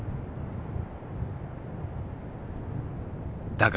だが。